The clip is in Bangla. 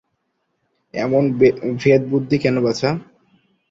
এমন ভেদবুদ্ধি কেন বাছা।